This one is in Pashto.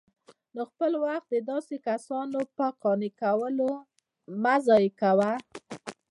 نو خپل وخت د داسي كسانو په قانع كولو مه ضايع كوه